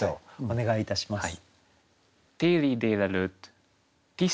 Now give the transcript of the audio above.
お願いいたします。